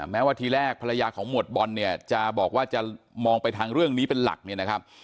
แม้ว่าทีแรกภรรยาของหมวดบอลเนี่ยจะบอกว่าจะมองไปทางเรื่องนี้เป็นหลักเนี่ยนะครับ